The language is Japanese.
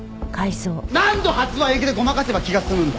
何度「発売延期」でごまかせば気が済むんだ！？